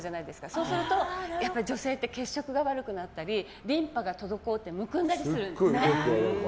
そうすると女性って血色が悪くなったりリンパが滞ってむくんだりするんです。